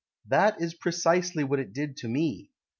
That is precisely what it did to me.